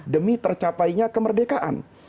demi tercapainya kemerdekaan